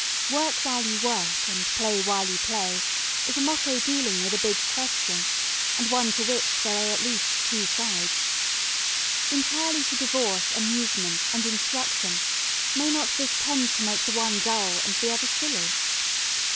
"Work while you work and play while you play" is a motto dealing with a big question, and one to which there are at least two sides. Entirely to divorce amusement and instruction may not this tend to make the one dull and the other silly?